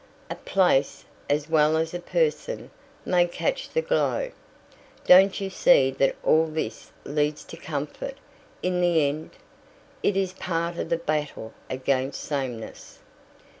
A place, as well as a person, may catch the glow. Don't you see that all this leads to comfort in the end? It is part of the battle against sameness.